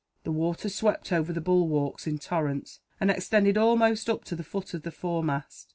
The water swept over the bulwarks in torrents, and extended almost up to the foot of the foremast.